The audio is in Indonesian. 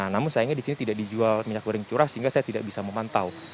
namun sayangnya di sini tidak dijual minyak goreng curah sehingga saya tidak bisa memantau